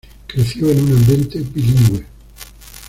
Creció en un ambiente bilingüe.